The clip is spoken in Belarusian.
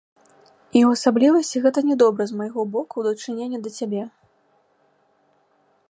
І ў асаблівасці гэта не добра з майго боку ў дачыненні да цябе.